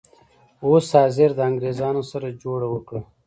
اوس حاضر د انګریزانو سره جوړه وکړه.